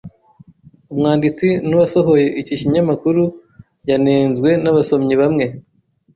Umwanditsi nuwasohoye iki kinyamakuru yanenzwe nabasomyi bamwe.